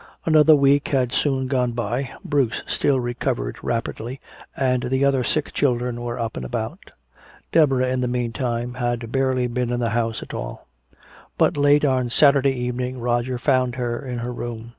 Another week had soon gone by. Bruce still recovered rapidly, and the other sick children were up and about. Deborah, in the meantime, had barely been in the house at all. But late on Saturday evening Roger found her in her room.